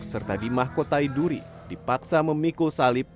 serta di mahkotai duri dipaksa memikul salib